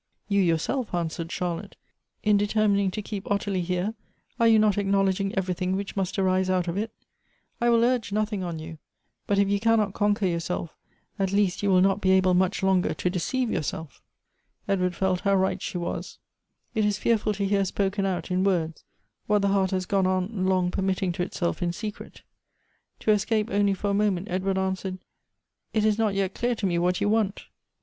" You, yourself," answered Charlotte ;" in determining to keep Ottilie here, are you not acknowledging every thing which must arise out of it ? I will urgen othing o n you — but if you cannot conquer yo urself, at least you "will noT^be able"nmch^ longer to _deceive ypurselt.^' ^"^ ^"E^ward felt how right she wasi Tt is fearful to hear spoken out, in words, what the heart has gone on long permitting to itself in secret. To escape only for a mo ment, Edward answered, " It is not yet clear to me what you want."